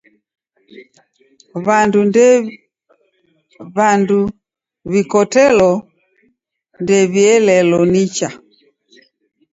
W'andu w'ikotelo ndew'ielelo nicha.